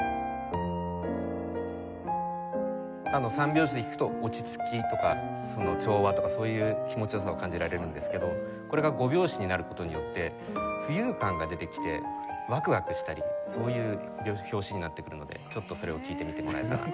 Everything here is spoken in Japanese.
３拍子で弾くと落ち着きとか調和とかそういう気持ち良さを感じられるんですけどこれが５拍子になる事によって浮遊感が出てきてワクワクしたりそういう拍子になってくるのでちょっとそれを聴いてみてもらえたら。